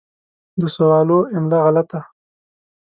د سوالو املا غلطه